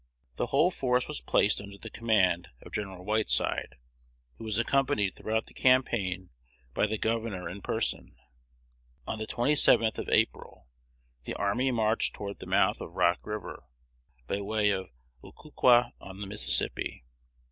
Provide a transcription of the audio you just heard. The whole force was placed under the command of Gen. Whiteside, who was accompanied throughout the campaign by the governor in person. On the 27th of April, the army marched toward the mouth of Rock River, by way of Oquaka on the Mississippi.